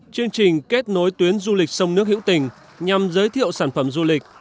chương trình kết nối tuyến du lịch sông nước hữu tình nhằm giới thiệu sản phẩm du lịch